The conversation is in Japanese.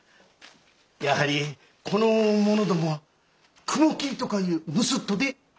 やはりこの者どもは雲霧とかいう盗人で？